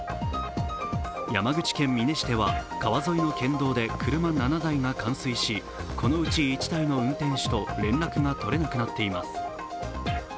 山口県美祢市では川沿いの県道で車７台が冠水し、このうち１台の運転手と連絡が取れなくなっています。